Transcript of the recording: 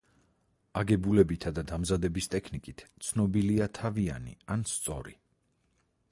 აგებულებითა და დამზადების ტექნიკით ცნობილია თავიანი ან სწორი.